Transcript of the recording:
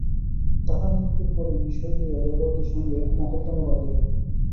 তাঁহার মৃত্যুর পরেই বিষয় লইয়া দেবরদের সঙ্গে মকদ্দমা বাধিয়া গেল।